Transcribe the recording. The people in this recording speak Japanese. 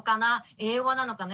英語なのかな？